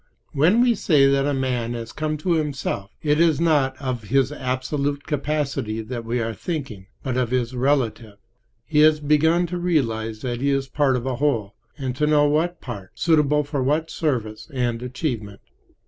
When we say that a man has come to himself, it is not of his absolute capacity that we are thinking, but of his relative. He has begun to realize that he is part of a whole, and to know what part, suitable for what service and achievement.